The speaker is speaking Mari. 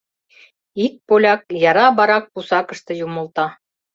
Ик поляк яра барак пусакыште юмылта: